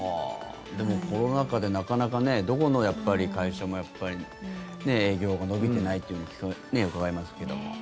でもコロナ禍でなかなかねどこの会社も営業が伸びてないとうかがいますけども。